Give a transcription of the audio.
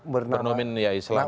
bernomin ya islami